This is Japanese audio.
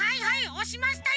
おしましたよ！